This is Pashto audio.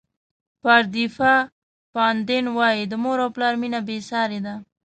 پاردیفا پاندین وایي د مور او پلار مینه بې سارې ده.